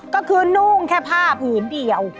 ก็คือนุ่งแค่ผ้าผืนเดียว